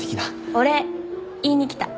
お礼言いに来た。